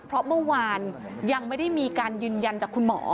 เพราะเมื่อวานยังไม่ได้มีการยืนยันจากคุณหมอ